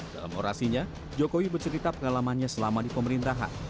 dalam orasinya jokowi bercerita pengalamannya selama di pemerintahan